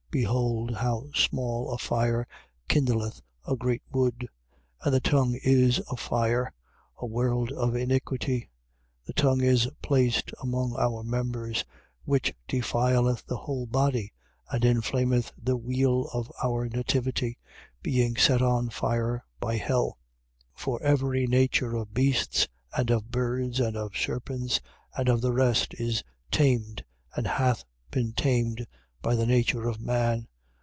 Behold how small a fire kindleth a great wood. 3:6. And the tongue is a fire, a world of iniquity. The tongue is placed among our members, which defileth the whole body and inflameth the wheel of our nativity, being set on fire by hell. 3:7. For every nature of beasts and of birds and of serpents and of the rest is tamed and hath been tamed, by the nature of man.